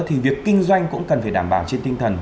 thì việc kinh doanh cũng cần phải đảm bảo trên tinh thần